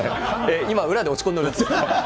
今、裏で落ち込んでおります。